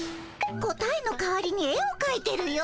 答えの代わりに絵をかいてるよ。